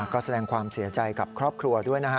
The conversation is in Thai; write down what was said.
ก็แสดงความเสียใจกับครอบครัวด้วยนะฮะ